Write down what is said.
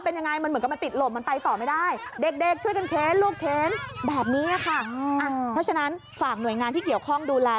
เพราะฉะนั้นฝากหน่วยงานที่เกี่ยวข้องดูแล